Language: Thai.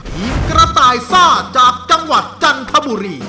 ทีมกระต่ายซ่าจากจังหวัดจันทบุรี